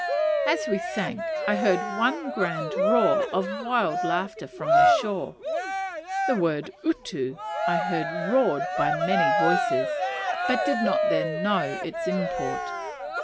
As we sank I heard one grand roar of wild laughter from the shore: the word utu I heard roared by many voices, but did not then know its import.